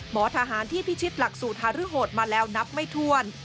ทหารที่พิชิตหลักสูตรหารือโหดมาแล้วนับไม่ถ้วน